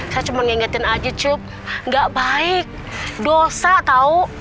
saya cuma ngingetin aja cup nggak baik dosa tahu